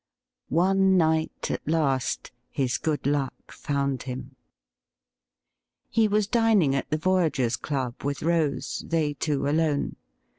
One night at last his good luck found him. He was dining at the Voyagers' Club with Rose, they two alone.